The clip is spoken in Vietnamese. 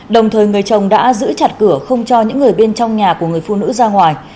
đồng thời người chồng đã giữ chặt cửa không cho những người bên trong nhà của người phụ nữ ra ngoài